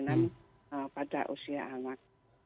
tingginya perkawinan pada usia anak